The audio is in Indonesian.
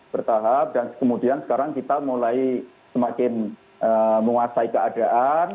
bertahap dan kemudian sekarang kita mulai semakin menguasai keadaan